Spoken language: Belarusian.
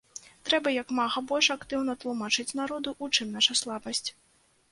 Трэба як мага больш актыўна тлумачыць народу, у чым наша слабасць.